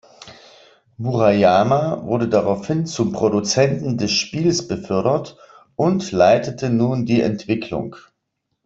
Murayama wurde daraufhin zum Produzenten des Spiels befördert und leitete nun die Entwicklung.